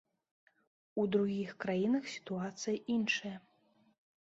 У другіх краінах сітуацыя іншая.